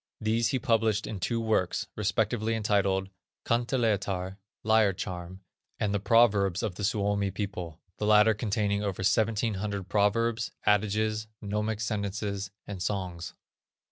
These he published in two works, respectively entitled, Kanteletar (Lyre charm), and The Proverbs of the Suomi People, the latter containing over 1700 proverbs, adages, gnomic sentences, and songs.